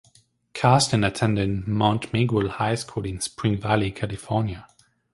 Karstens attended Mount Miguel High School in Spring Valley, California.